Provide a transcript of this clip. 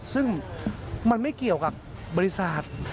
ซึ่งมันไม่เกี่ยวกับบริษัท